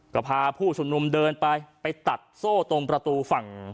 ก็พาผู้ชุมนุมเดินไปไปตัดโซ่ตรงประตูฝั่ง